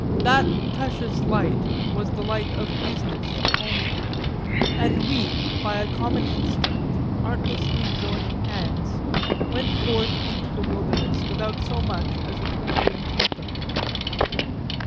That precious light was the light of "business" only; and we, by a common instinct, artlessly joining hands, went forth into the wilderness without so much as a twinkling taper.